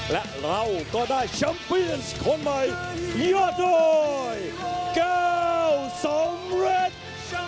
และเราก็ได้ชัมปินส์คนใหม่ยอดรอย๙สำเร็จ